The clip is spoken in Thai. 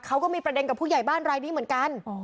เขาก็มีประเด็นกับผู้ใหญ่บ้านรายนี้เหมือนกัน